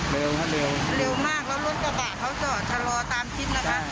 เร็วมากแล้วรถกระบะเค้าตอบถอดทะลอตามชิปนะคะ